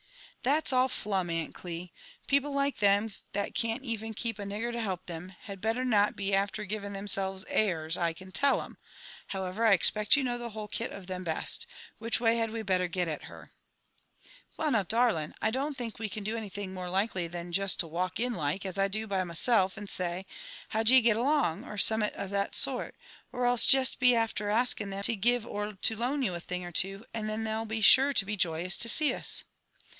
^'That's all flgm. Aunt Gli. People like them^ that can't eren keep a nigger to help 'ebi« had better not be after giying theinselyea airs, I can tell 'em. Howeter, I expect you know the whole kit of them best. Which way had we better get at her T* " Well, now, darling, I don't think W9 can do anything more likely than jest to walk in like, as I do by myself; and say ' How d'ye get along?' or summet of that sort, or 6lse jest be after asking them to gire or to loan you a thing or two, and then theyll be sure to be joyous to aee us.